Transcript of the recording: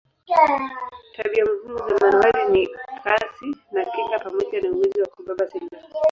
Tabia muhimu za manowari ni kasi na kinga pamoja na uwezo wa kubeba silaha.